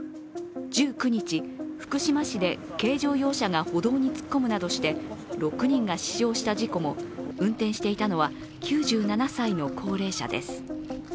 １９日、福島市で軽乗用車が歩道に突っ込むなどして６人が死傷した事故も、運転していたのは９７歳の高齢者です